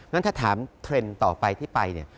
นั้นถ้าถามเทรนด์ต่อไปที่ไปเนี่ย